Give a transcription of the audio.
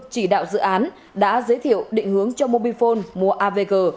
chỉ đạo dự án đã giới thiệu định hướng cho mobifone mua avg